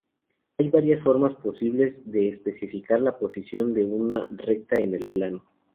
Hay varias formas posibles de especificar la posición de una recta en el plano.